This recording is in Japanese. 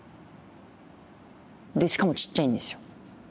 でしかもちっちゃいんですよ。